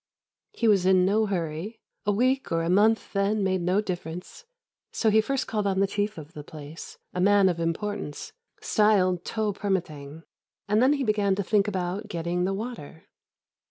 He was in no hurry, a week or a month then made no difference; so he first called on the chief of the place, a man of importance, styled Toh Permâtang, and then he began to think about getting the water.